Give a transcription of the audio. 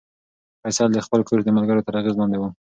فیصل د خپل کورس د ملګرو تر اغېز لاندې و.